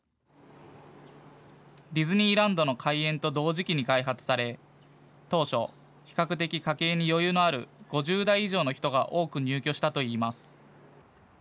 ディズニーランドの開園と同時期に開発され当初、比較的家計に余裕のある５０代以上の人が多く入居したといいます。